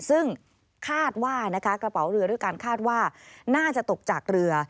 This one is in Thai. ซึ่งคาดว่านะคะกระเป๋าเรือด้วยการคาดว่าน่าจะตกจากเรือ